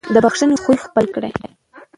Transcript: د بښنې خوی خپل کړئ.